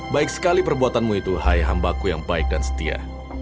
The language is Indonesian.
baik sekali perbuatanmu itu hai hambaku yang baik dan setia